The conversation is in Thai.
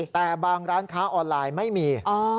แต่บางร้านค้าออนไลน์ไม่มี